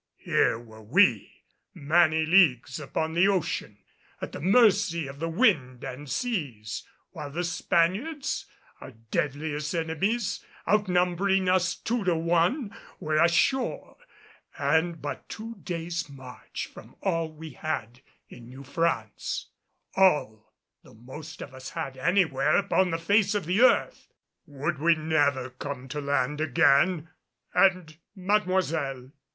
Here were we, many leagues upon the ocean, at the mercy of the winds and seas; while the Spaniards, our deadliest enemies, outnumbering us two to one, were ashore, and but two days' march from all we had in New France all the most of us had anywhere upon the face of the earth! Would we never come to land again? And, Mademoiselle!